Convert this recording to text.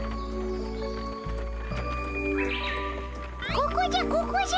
ここじゃここじゃ。